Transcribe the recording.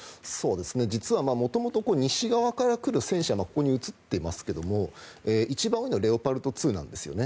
実は元々西側から来る戦車がここに写ってますが一番多いのはレオパルト２なんですよね。